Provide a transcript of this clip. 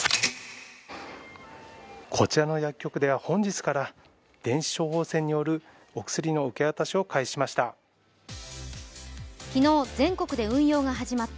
こちらの薬局では本日から電子処方箋によるお薬の受け渡しを開始しました。